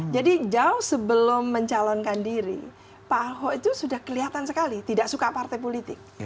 jadi jauh sebelum mencalonkan diri pak ahok itu sudah kelihatan sekali tidak suka partai politik